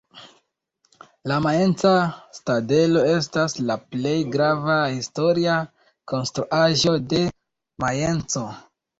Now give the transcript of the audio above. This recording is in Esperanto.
La Majenca citadelo estas la plej grava historia konstruaĵo de Majenco.